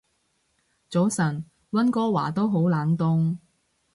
早晨，溫哥華都好冷凍